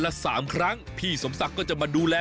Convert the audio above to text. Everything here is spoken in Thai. วันนี้พาลงใต้สุดไปดูวิธีของชาวเล่น